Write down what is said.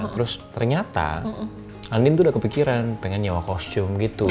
terus ternyata andin tuh udah kepikiran pengen nyawa kostum gitu